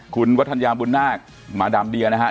คุณวัฒนยาบุญนาคมาดามเดียนะฮะ